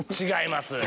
違います。